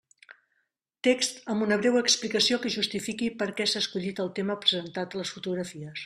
Text amb una breu explicació que justifiqui per què s'ha escollit el tema presentat a les fotografies.